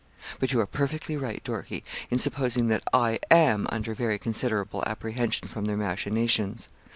'But you are perfectly right, Dorkie, in supposing that I am under very considerable apprehension from their machinations.